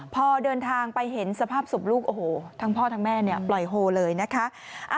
พอเดินทางไปเห็นสภาพศพลูกโอ้โหทั้งพ่อทั้งแม่เนี่ยปล่อยโฮเลยนะคะ